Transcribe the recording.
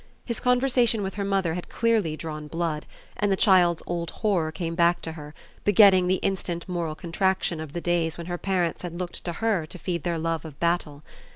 His conversation with her mother had clearly drawn blood, and the child's old horror came back to her, begetting the instant moral contraction of the days when her parents had looked to her to feed their love of battle.